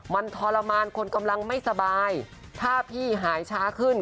มันทรมานคนกำลังไม่สบายถ้าพี่หายช้าขึ้น